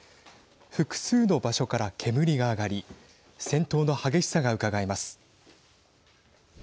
複数の場所から煙が上がり戦闘の激しさがうかがえます。